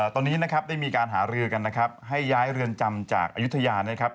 ตอนนี้นะครับได้มีการหารือกันนะครับให้ย้ายเรือนจำจากอายุทยานะครับ